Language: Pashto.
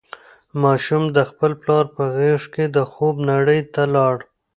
ماشوم د خپل پلار په غېږ کې د خوب نړۍ ته لاړ.